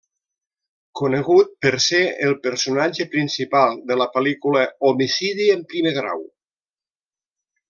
Conegut per ser el personatge principal de la pel·lícula Homicidi en primer grau.